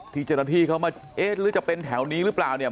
ที่เจ้าหน้าที่เขามาเอ๊ะหรือจะเป็นแถวนี้หรือเปล่าเนี่ย